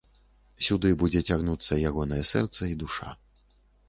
Сюды будзе цягнуцца ягонае сэрца і душа.